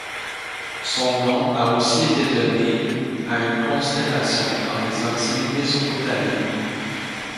Son nom a aussi été donné à une constellation par les anciens Mésopotamiens.